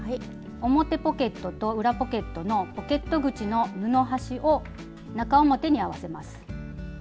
表ポケットと裏ポケットのポケット口の布端を中表に合わせます。